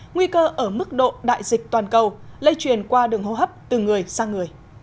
nguy cơ ở mức độ đại dịch toàn cầu lây truyền qua đường hô hấp từ người sang người